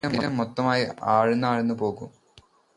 അപ്പോള് ശരീരം മൊത്തമായി ആഴ്ന്നാഴ്ന്നു പോകും